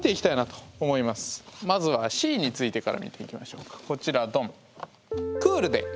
まずはＣについてから見ていきましょうかこちらドン。